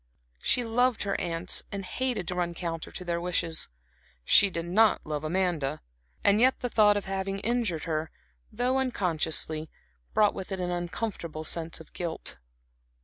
She loved her aunts, and hated to run counter to their wishes; she did not love Amanda, and yet the thought of having injured her, though unconsciously, brought with it an uncomfortable sense of guilt.